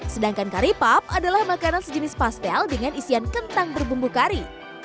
sedangkan kari pup adalah makanan sejenis pastel dengan isian kentang berbumbu kari